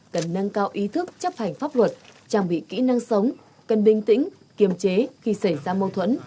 cần nâng cao ý thức chấp hành pháp luật trang bị kỹ năng sống cần bình tĩnh kiềm chế khi xảy ra mâu thuẫn